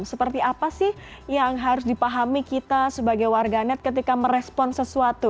seperti apa sih yang harus dipahami kita sebagai warganet ketika merespon sesuatu